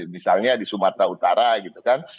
misalnya di sumatera utara gitu kan